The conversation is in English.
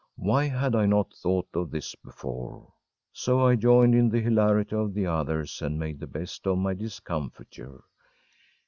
Why had I not thought of this before! So I joined in the hilarity of the others and made the best of my discomfiture.